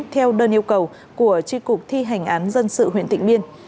theo đơn yêu cầu của tri cục thi hành án dân sự huyện tịnh biên